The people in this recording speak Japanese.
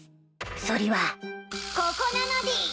そりはここなのでぃす！